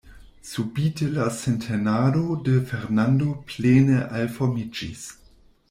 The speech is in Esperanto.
Subite la sintenado de Fernando plene aliformiĝis.